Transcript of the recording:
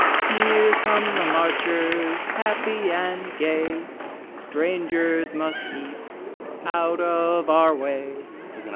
Here come the marchers, happy and gay, Strangers must keep out of our way!